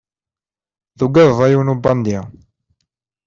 Tugadeḍ a yiwen ubandi!